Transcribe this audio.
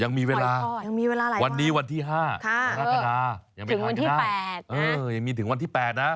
ยังมีเวลาอะไรวะค่ะถึงวันที่๘นะอือยังมีถึงวันที่๘นะ